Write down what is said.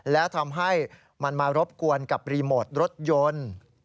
แล้วทำให้มันมารบกวนกับรีโมทรถยนต์